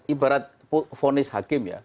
ibarat ponis hakim ya